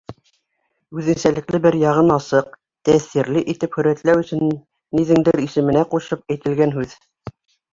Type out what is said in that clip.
Үҙенсәлекле бер яғын асыҡ, тәьҫирле итеп һүрәтләү өсөн ниҙеңдер исеменә ҡушып әйтелгән һүҙ.